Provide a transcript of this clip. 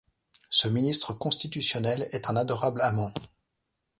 Ce ministre constitutionnel est un adorable amant.